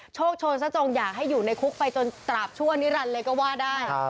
โชคโชนซะจงอยากให้อยู่ในคุกไปจนตราบชั่วนิรันดิ์เลยก็ว่าได้